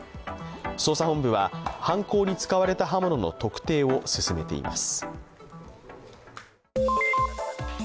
捜査本部は犯行に使われた刃物の特定を進めています。